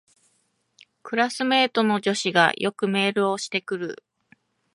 クラスメイトの女子がよくメールをしてくる